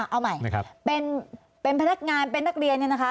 เอาใหม่นะครับเป็นพนักงานเป็นนักเรียนเนี่ยนะคะ